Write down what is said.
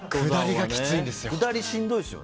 下りがしんどいんですよ。